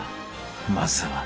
［まずは］